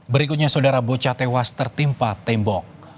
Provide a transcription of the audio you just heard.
berikutnya saudara bocah tewas tertimpa tembok